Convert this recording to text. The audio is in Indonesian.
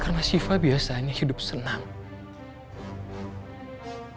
karena shiva biasanya hidup senang